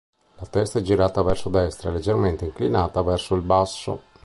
La testa è girata verso destra e leggermente inclinata verso il basso.